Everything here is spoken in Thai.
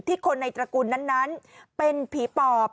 คนในตระกูลนั้นเป็นผีปอบ